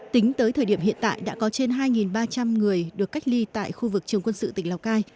tính tới thời điểm hiện tại đã có trên hai ba trăm linh người được cách ly tại khu vực trường quân sự tỉnh lào cai